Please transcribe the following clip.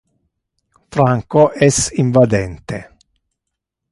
Franco es invadente.